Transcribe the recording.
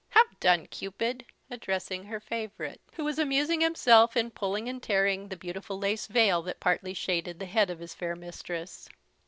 "Have done, Cupid!" addressing her favourite, who was amusing himself in pulling and tearing the beautiful lace veil that partly shaded the head of his fair mistress.